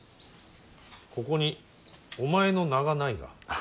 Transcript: ここにお前の名がないが。